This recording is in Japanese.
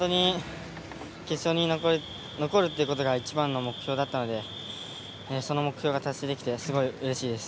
決勝に残るということが一番の目標だったのでその目標が達成できてすごいうれしいです。